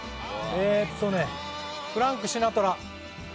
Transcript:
えーっとねフランク・シナトラ。